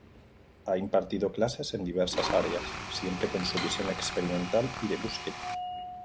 Ha impartido clases de diversas áreas, siempre con su visión experimental y de búsqueda.